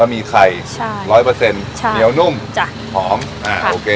มีไข่ใช่ร้อยเปอร์เซ็นต์ใช่เหนียวนุ่มจ้ะหอมอ่าโอเค